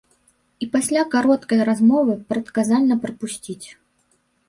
І пасля кароткай размовы прадказальна прапусціць.